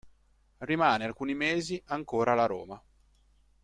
Rimane alcuni mesi ancora alla Roma.